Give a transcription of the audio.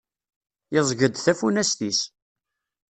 Yeẓẓeg-d tafunast-is.